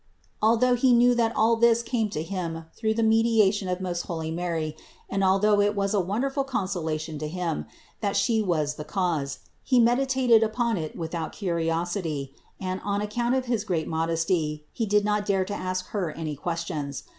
Although he knew that all this came to him through the mediation of most holy Mary, and although it was a wonderful consolation to him, that She was the cause, he meditated upon it without curiosity, and, on account of his great modesty, he did not dare to ask Her any questions.